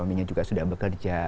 suaminya juga sudah bekerja